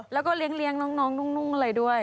แล้วก็เลี้ยงน้องนุ่งอะไรด้วย